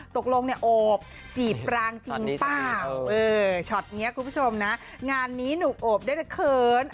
ตกลงเนี่ยโอบจีบจริงป่าวเออช้อนี้คุณผู้ชมนะงานนี้หนูโอบได้แต่เขิน